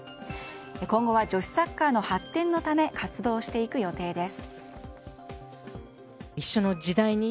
今後は女子サッカーの発展のため活動していく予定です。